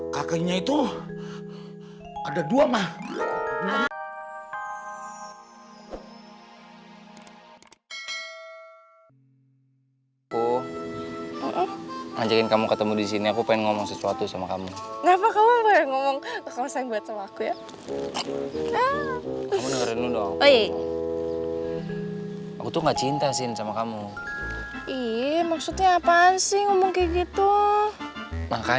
kakinya itu ada dua mah